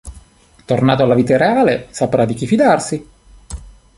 Tornato alla vita reale saprà di chi fidarsi.